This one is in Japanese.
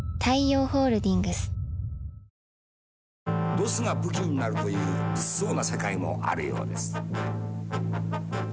［どすが武器になるという物騒な世界もあるようです］